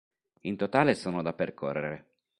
In totale sono da percorrere.